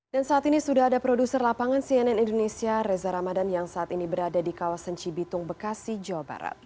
dan saat ini sudah ada produser lapangan cnn indonesia reza ramadan yang saat ini berada di kawasan cibitung bekasi jawa barat